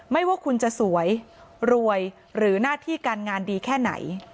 ไม่ว่าคุณจะสวยรวยหรือหน้าที่การงานดีแค่ไหน